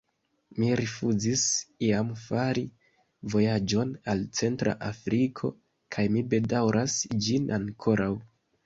Mi rifuzis iam fari vojaĝon al Centra Afriko, kaj mi bedaŭras ĝin ankoraŭ.